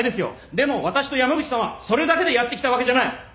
でも私と山口さんはそれだけでやってきたわけじゃない。